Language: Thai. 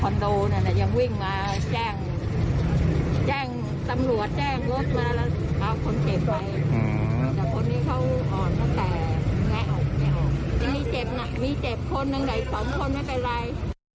มีเจ็บหนักมีเจ็บข้นยังไง๒คนไม่เป็นไร